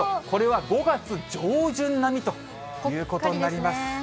これは５月上旬並みということになります。